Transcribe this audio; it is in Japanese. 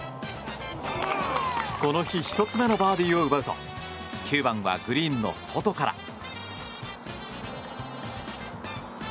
この日１つ目のバーディーを奪うと９番はグリーンの外から。